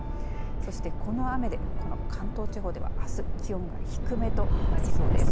そしてこの雨で関東地方では、あす気温が低めとなりそうです。